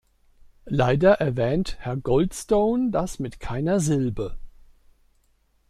Leider erwähnt Herr Goldstone das mit keiner Silbe.